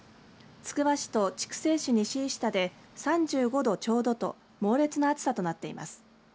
つくば市と筑西市西石田で３５度ちょうどと猛烈な暑さとなっています。